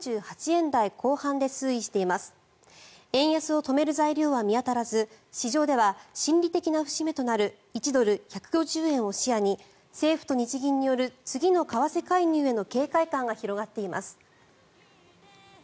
円安を止める材料は見当たらず市場では心理的な節目となる１ドル＝１５０円を視野に政府と日銀による次の為替介入への警戒感が広がっています。